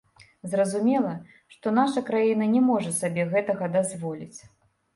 Зразумела, што наша краіна не можа сабе гэтага дазволіць.